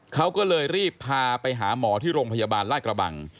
เขาก็เลยรีบพาไปหาหมอที่โรงพยาบาลลาดกระบัง